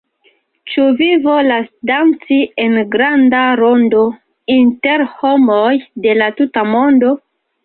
Ĉu vi volas danci en granda rondo, inter homoj de la tuta mondo?